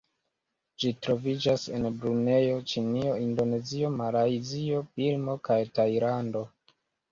Ĝi troviĝas en Brunejo, Ĉinio, Indonezio, Malajzio, Birmo kaj Tajlando.